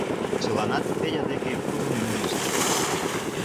Чыланат Федя дек куржын мийышт.